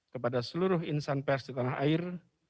kepada seluruh insan pers di tanah air